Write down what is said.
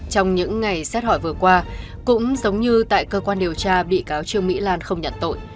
trong những ngày xét hỏi vừa qua cũng giống như tại cơ quan điều tra bị cáo trương mỹ lan không nhận tội